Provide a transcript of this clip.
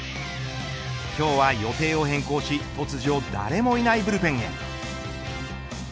今日は予定は変更し突如、誰もいないブルペンへ。